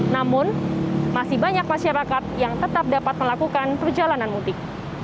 namun masih banyak masyarakat yang tetap dapat melakukan perjalanan mudik